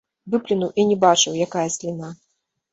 Выплюнуў і не бачыў, якая сліна.